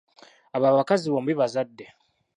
Abo abakazi bombi bazadde.